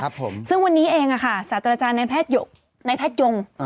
ตั้งแต่วันนี้เองซาจรจาไนร์โพตุไพรท์โยง